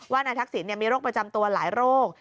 นายทักษิณมีโรคประจำตัวหลายโรค